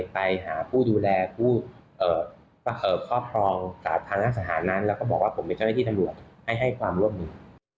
ไปหาผู้ดูแลผู้ครอบครองสาธารณสถานนั้นแล้วก็บอกว่าผมเป็นเจ้าหน้าที่ตำรวจให้ให้ความร่วมมือ